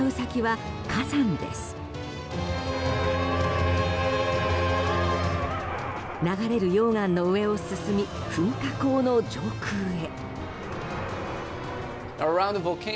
流れる溶岩の上を進み噴火口の上空へ。